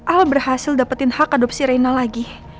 al berhasil dapetin hak adopsi reina lagi